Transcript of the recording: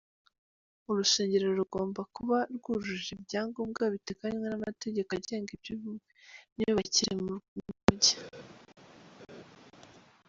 Urusengero rugomba kuba rwujuje ibyangombwa biteganywa n'amategeko agenga imyubakire mu mujyi.